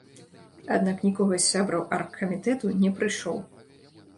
Аднак нікога з сябраў аргкамітэту не прыйшоў.